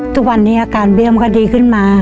ทุกวันนี้อาการเบี้ยมันก็ดีขึ้นมา